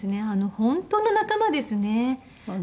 本当の仲間ですね。